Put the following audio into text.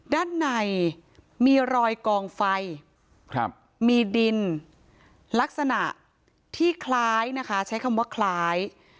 ด้านในมีรอยกลองไฟครับมีดินลักษณะที่คล้ายคล้าย